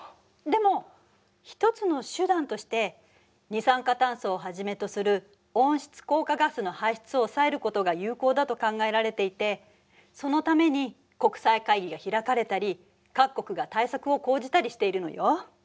でも一つの手段として二酸化炭素をはじめとする温室効果ガスの排出を抑えることが有効だと考えられていてそのために国際会議が開かれたり各国が対策を講じたりしているのよ。